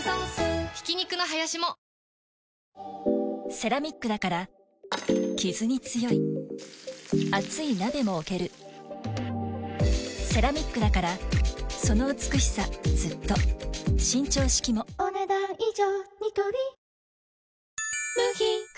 セラミックだからキズに強い熱い鍋も置けるセラミックだからその美しさずっと伸長式もお、ねだん以上。